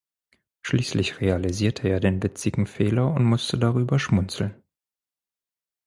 Schließlich realisierte er den witzigen Fehler und musste darüber schmunzeln.